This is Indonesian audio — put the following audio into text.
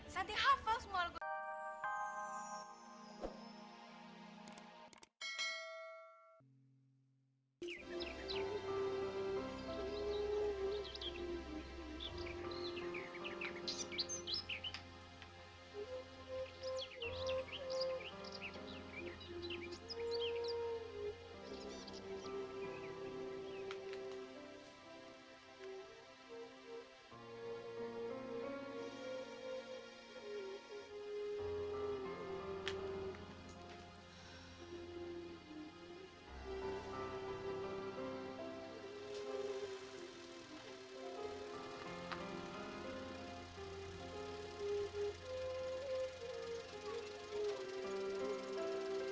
santi hafal semua